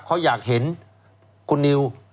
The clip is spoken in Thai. เขาอยากเห็นคุณนิว